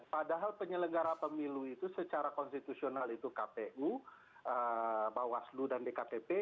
padahal penyelenggara pemilu itu secara konstitusional itu kpu bawaslu dan dkpp